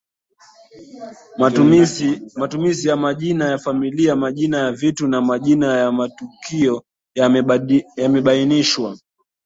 Matumizi ya majina ya familia majina ya vitu na majina ya matukio yamebainishwa